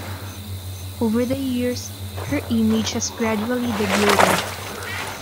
Over the years, her image has gradually degraded.